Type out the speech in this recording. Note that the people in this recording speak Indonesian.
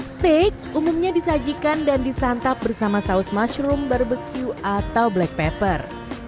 steak umumnya disajikan dan disantap bersama saus mushroom barbecue atau black pepper